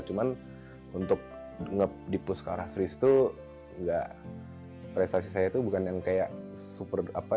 cuman untuk dipusul sekolah resmi itu prestasi saya itu bukan yang kayak super apa